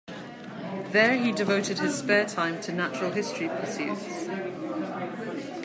There he devoted his spare time to natural history pursuits.